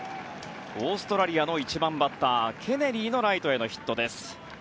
オーストラリアの１番バッターケネリーのライトへのヒットです。